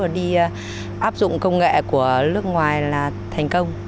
đi áp dụng công nghệ của nước ngoài là thành công